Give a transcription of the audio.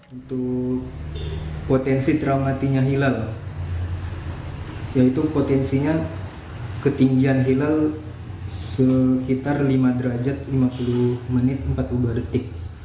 untuk potensi traumatinya hilal yaitu potensinya ketinggian hilal sekitar lima derajat lima puluh menit empat puluh dua detik